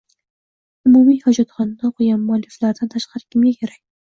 Umumiy hojatxonani o'qigan mualliflardan tashqari kimga kerak